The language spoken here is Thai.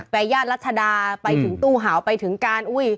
ย่านรัชดาไปถึงตู้หาวไปถึงการอุ้ย